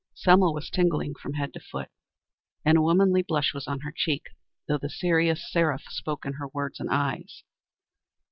Selma was tingling from head to foot and a womanly blush was on her cheek, though the serious seraph spoke in her words and eyes.